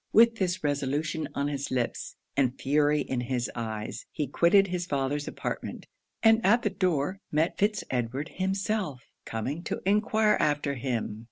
With this resolution on his lips, and fury in his eyes, he quitted his father's apartment, and at the door met Fitz Edward himself, coming to enquire after him.